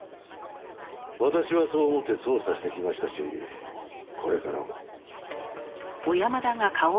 私はそう思って捜査してきましたしこれからも。